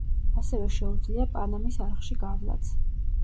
ასევე შეუძლია პანამის არხში გავლაც.